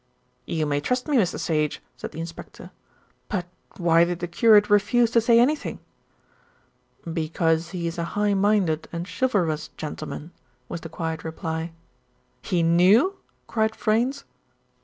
"You may trust me, Mr. Sage," said the inspector. "But why did the curate refuse to say anything?" "Because he is a high minded and chivalrous gentleman," was the quiet reply. "He knew?" cried Freynes.